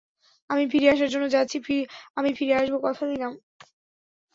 আমি ফিরে আসার জন্য যাচ্ছি, আমি ফিরে আসবো, কথা দিলাম।